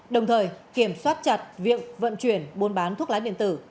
đồng thời kiểm soát chặt viện vận chuyển bôn bán thuốc lá điện tử